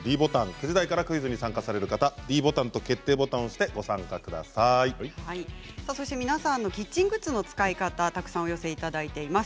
９時台からクイズにご参加される方はｄボタンと決定ボタンを押して皆さん、キッチングッズの使い方、たくさんお寄せいただいています。